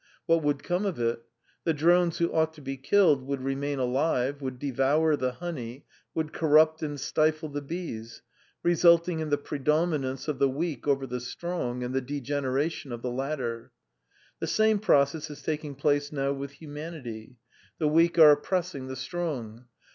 What would come of it? The drones who ought to be killed would remain alive, would devour the honey, would corrupt and stifle the bees, resulting in the predominance of the weak over the strong and the degeneration of the latter. The same process is taking place now with humanity; the weak are oppressing the strong.